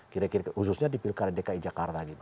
kira kira khususnya di pilkada dki jakarta gitu